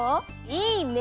いいね！